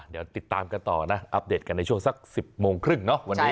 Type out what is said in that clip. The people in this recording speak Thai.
เดี๋ยวติดตามกันต่อนะอัปเดตกันในช่วงสัก๑๐โมงครึ่งเนาะวันนี้